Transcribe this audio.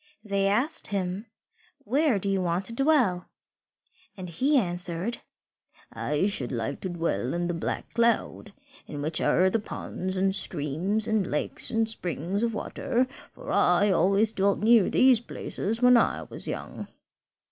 They asked him, "Where do you want to dwell?" And he answered, "I should like to dwell in the Black Cloud, in which are the ponds and streams and lakes and springs of water, for I always dwelt near these places when I was young."